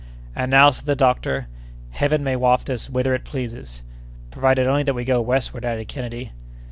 "And now," said the doctor, "Heaven may waft us whither it pleases!" "Provided only that we go westward," added Kennedy.